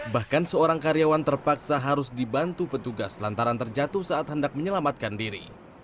bahkan seorang karyawan terpaksa harus dibantu petugas lantaran terjatuh saat hendak menyelamatkan diri